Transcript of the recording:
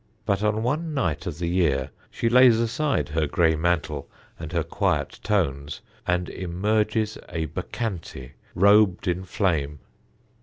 But on one night of the year she lays aside her grey mantle and her quiet tones and emerges a Bacchante robed in flame.